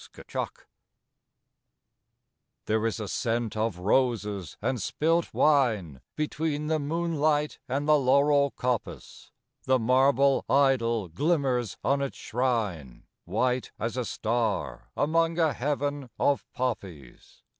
LETHE I There is a scent of roses and spilt wine Between the moonlight and the laurel coppice; The marble idol glimmers on its shrine, White as a star, among a heaven of poppies.